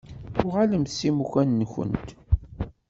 Uɣalemt s imukan-nkent.